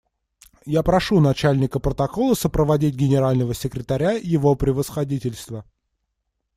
Я прошу Начальника протокола сопроводить Генерального секретаря Его Превосходительство.